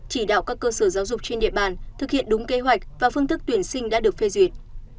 chỉ đạo các cơ sở giáo dục trên địa bàn thực hiện đúng kế hoạch và phương thức tuyển sinh đã được phê duyệt